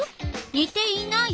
にていない？